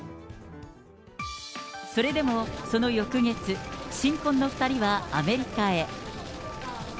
それでも、その翌月、新婚の２人はアメリカへ。